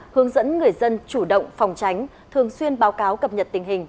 hướng dẫn người dân chủ động phòng tránh thường xuyên báo cáo cập nhật tình hình